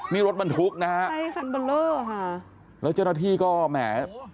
นี่รถบรรทุกนะคะแล้วเจ้าหน้าที่ก็แหมโอ้โฮ